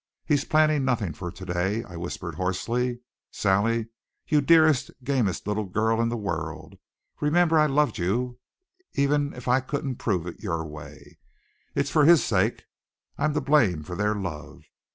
He's planned nothing for to day," I whispered hoarsely. "Sally you dearest, gamest little girl in the world! Remember I loved you, even if I couldn't prove it your way. It's for his sake. I'm to blame for their love.